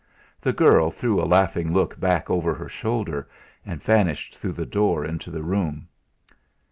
The girl threw a laughing look back over her shoulder, and vanished through the door into the room.